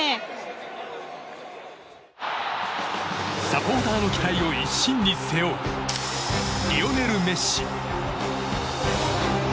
サポーターの期待を一身に背負うリオネル・メッシ。